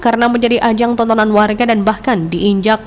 karena menjadi ajang tontonan warga dan bahkan diinjak